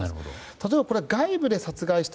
例えば外部で殺害した